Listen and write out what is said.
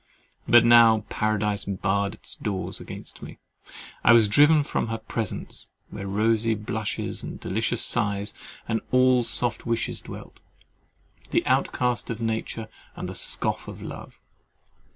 But now Paradise barred its doors against me; I was driven from her presence, where rosy blushes and delicious sighs and all soft wishes dwelt, the outcast of nature and the scoff of love!